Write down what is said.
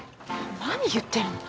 何言ってるの。